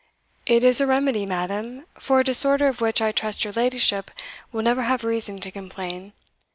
"It is a remedy, Madam, for a disorder of which I trust your ladyship will never have reason to complain.